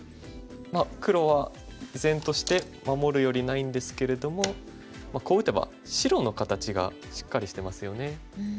まあ黒は依然として守るよりないんですけれどもこう打てば白の形がしっかりしてますよね。